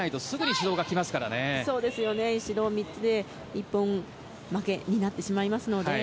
指導３つで一本負けになってしまいますので。